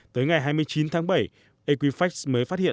tới ngày hai mươi chín tháng bảy equefax mới phát hiện